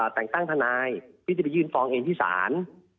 แต่งตั้งทนายที่จะไปยื่นฟ้องเองที่ศาล